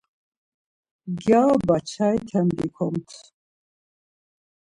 Gyaroba çaite bikomt.